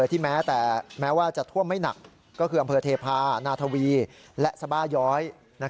แม้ว่าจะท่วมไม่หนักก็คืออำเภอเทพานาทวีและสบาย้อย